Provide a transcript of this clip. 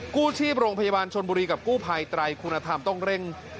กู้ชีพโรงพยาบาลชนบุรีกับกู้ภัยไตรคุณธรรมต้องเร่ง